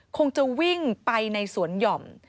คงจะวิ่งไปในสวนหย่อม